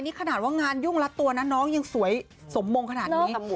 นี่ขนาดว่างานยุ่งรัดตัวนะน้องยังสวยสมมงขนาดนี้